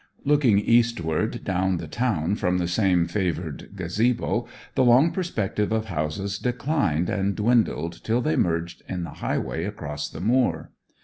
Looking eastward down the town from the same favoured gazebo, the long perspective of houses declined and dwindled till they merged in the highway across the moor.